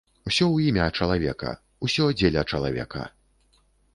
Усё ў імя чалавека, усё дзеля чалавека!